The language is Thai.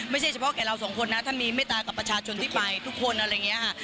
ไม่ใช่เฉพาะแก่เราสองคนนะถ้ามีเมตตากับประชาชนที่ไปทุกคนอะไรอย่างนี้ค่ะ